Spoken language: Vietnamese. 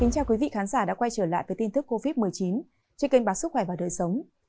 chào quý vị khán giả đã quay trở lại với tin thức covid một mươi chín trên kênh bản sức khỏe và đời sống